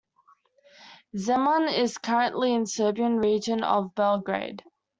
Zemun is currently in Serbian region of Belgrade.